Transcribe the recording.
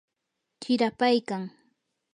chirapaykan.